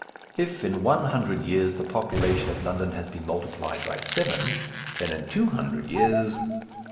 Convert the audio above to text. If in one hundred years the population of London has been multiplied by seven, then in two hundred years